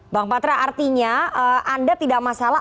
bang patra artinya anda tidak masalah